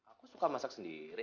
aku suka masak sendiri